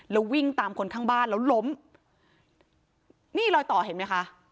แล้ววิ่งตามคนข้างบ้านแล้วล้มนี่รอยต่อเห็นไหมคะ